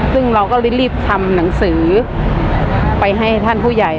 ซึ่งเราก็เลยรีบทำหนังสือไปให้ท่านผู้ใหญ่